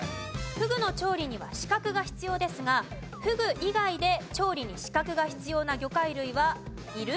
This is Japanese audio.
ふぐの調理には資格が必要ですがふぐ以外で調理に資格が必要な魚介類はいる？